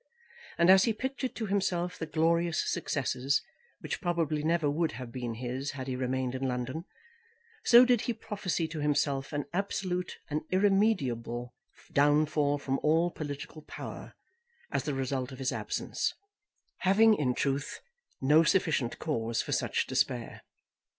And as he pictured to himself the glorious successes which probably never would have been his had he remained in London, so did he prophesy to himself an absolute and irremediable downfall from all political power as the result of his absence, having, in truth, no sufficient cause for such despair.